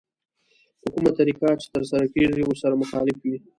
په کومه طريقه چې ترسره کېږي ورسره مخالف وي.